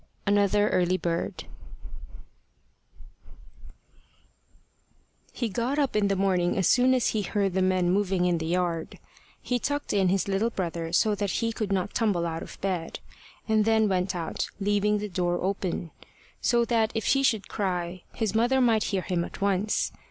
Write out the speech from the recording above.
ANOTHER EARLY BIRD HE GOT up in the morning as soon as he heard the men moving in the yard. He tucked in his little brother so that he could not tumble out of bed, and then went out, leaving the door open, so that if he should cry his mother might hear him at once.